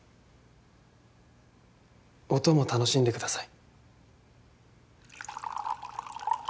音も楽しんでください。